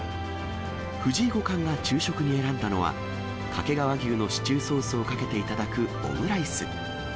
藤井五冠が昼食に選んだのは、掛川牛のシチューソースをかけていただくオムライス。